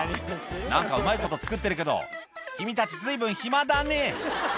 なんかうまいこと作ってるけど、君たち、ずいぶん暇だね。